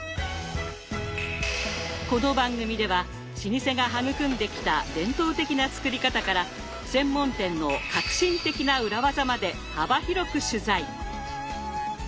この番組では老舗が育んできた伝統的な作り方から専門店の革新的な裏技まで幅広く取材。